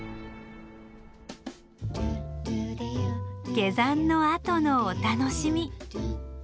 下山のあとのお楽しみ。